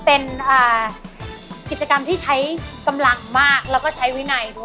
เอาแล้ว